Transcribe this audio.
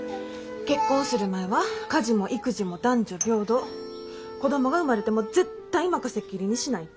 結婚する前は「家事も育児も男女平等子供が生まれても絶対任せっきりにしない」って約束したのに。